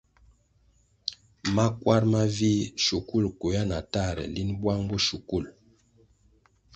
Makwar mavih, shukul kwea na tahre linʼ bwang bo shukul.